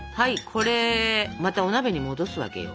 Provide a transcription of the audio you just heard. これまたお鍋に戻すわけよ。